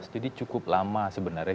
jadi cukup lama sebenarnya